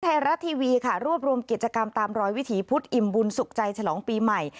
ไทยรัฐทีวีค่ะรวบรวมกิจกรรมตามรอยวิถีพุทธอิ่มบุญสุขใจฉลองปีใหม่